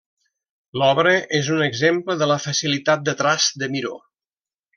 L'obra és un exemple de la facilitat de traç de Miró.